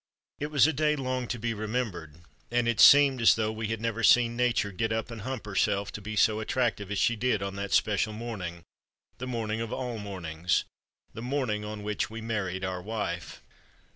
It was a day long to be remembered, and it seemed as though we had never seen Nature get up and hump herself to be so attractive as she did on that special morning the morning of all mornings the morning on which we married our wife.